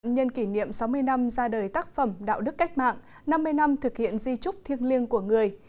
nhân kỷ niệm sáu mươi năm ra đời tác phẩm đạo đức cách mạng năm mươi năm thực hiện di trúc thiêng liêng của người